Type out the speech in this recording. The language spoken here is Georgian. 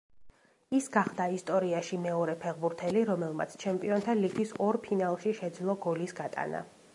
ის გახდა ისტორიაში მეორე ფეხბურთელი, რომელმაც ჩემპიონთა ლიგის ორ ფინალში შეძლო გოლის გატანა.